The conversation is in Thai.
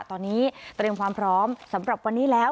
ตอนนี้เตรียมความพร้อมสำหรับวันนี้แล้ว